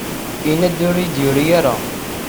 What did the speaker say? Yenna-d ur yi-d-yuri ara.